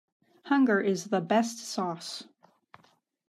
Hunger is the best sauce.